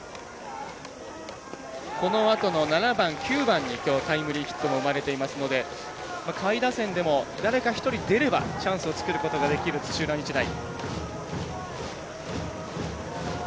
このあとの７番、９番にきょう、タイムリーヒットも生まれていますので下位打線でも、誰か一人出ればチャンスを作ることができる土浦日大。